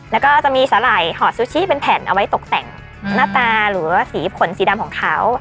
แล้วก็จะมีสาหร่ายหอดซูชิเป็นแผ่นเอาไว้ตกแต่งหน้าตาหรือว่าสีผลสีดำของเขา